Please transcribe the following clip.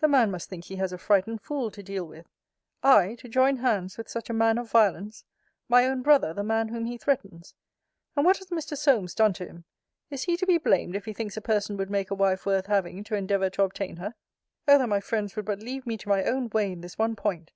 The man must think he has a frightened fool to deal with. I, to join hands with such a man of violence! my own brother the man whom he threatens! And what has Mr. Solmes done to him? Is he to be blamed, if he thinks a person would make a wife worth having, to endeavour to obtain her? Oh that my friends would but leave me to my own way in this one point!